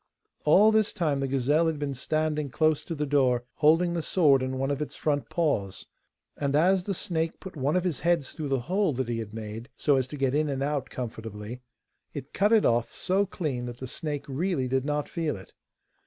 All this time the gazelle had been standing close to the door, holding the sword in one of its front paws. And as the snake put one of his heads through the hole that he had made so as to get in and out comfortably, it cut it of so clean that the snake really did not feel it.